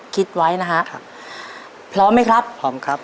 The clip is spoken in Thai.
คิดไว้นะฮะครับพร้อมไหมครับพร้อมครับ